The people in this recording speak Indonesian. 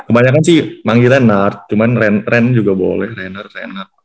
kebanyakan sih manggil reinhardt cuman reinhardt juga boleh reinhardt reinhardt